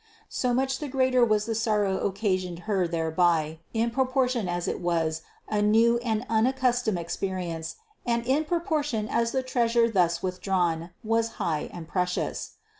So much the greater was the sorrow occasioned Her thereby, in proportion as it was a new and unaccustomed experience and in propor tion as the treasure thus withdrawn was high and precious.